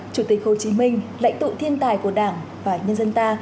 chủ tịch hồ chí minh lãnh tụ thiên tài của đảng và nhân dân ta